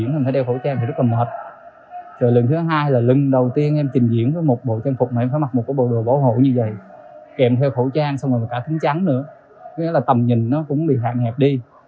nghĩa là tầm nhìn nó cũng bị hạng hẹp đi